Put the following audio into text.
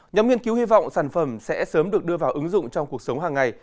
nhóm nghiên cứu hy vọng sản phẩm sẽ sớm được đưa vào ứng dụng trong cuộc sống hàng ngày